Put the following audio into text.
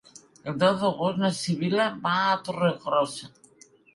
El deu d'agost na Sibil·la va a Torregrossa.